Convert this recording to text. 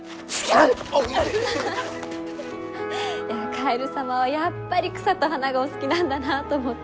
カエル様はやっぱり草と花がお好きなんだなと思って。